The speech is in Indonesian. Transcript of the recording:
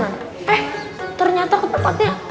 eh ternyata ke tempatnya